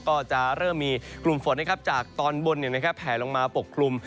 ก็จะเริ่มมีกลุ่มฝนจากตอนบนแผลลงมาปกคลุม